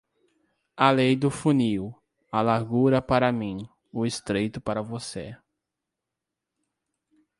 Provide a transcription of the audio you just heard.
A lei do funil: a largura para mim, o estreito para você.